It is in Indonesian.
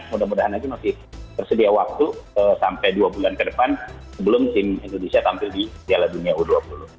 mudah mudahan aja masih tersedia waktu sampai dua bulan ke depan sebelum tim indonesia tampil di piala dunia u dua puluh